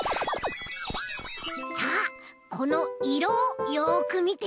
さあこのいろをよくみて。